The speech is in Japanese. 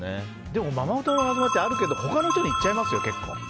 でもママ友ってあるけど他の人に言っちゃいますよ、結構。